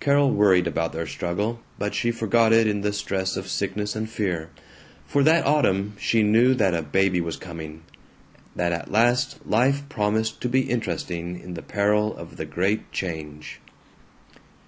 Carol worried about their struggle, but she forgot it in the stress of sickness and fear. For that autumn she knew that a baby was coming, that at last life promised to be interesting in the peril of the great change.